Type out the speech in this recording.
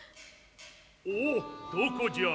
おおどこじゃ？